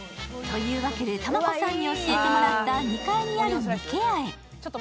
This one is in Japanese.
というわけで、タマ子さんに教えてもらった２階にあるみけ家へ。